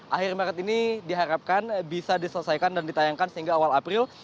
akhir maret ini diharapkan bisa diselesaikan dan ditayangkan sehingga awal april